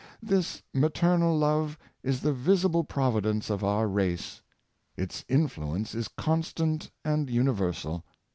This maternal love is the visible providence of our race. Its influence is constant and universal.